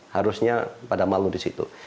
harusnya pada malu di situ